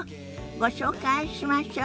ご紹介しましょ。